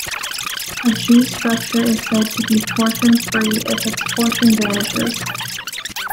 A "G"-structure is said to be torsion-free if its torsion vanishes.